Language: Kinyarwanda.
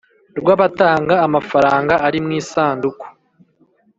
rwabatanga amafaranga ari mwisanduku